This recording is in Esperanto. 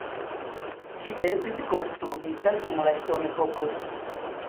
Ĝi estis konstruita dum la ŝtonepoko.